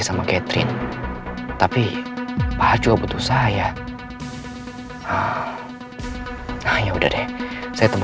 halo pak halo ren kamu temui saya di jalan kasuari sekarang ya